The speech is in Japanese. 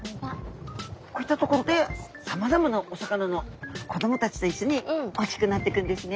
こういった所でさまざまなお魚の子どもたちといっしょに大きくなってくんですね。